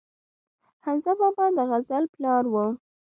حمزه بابا د غزل پلار و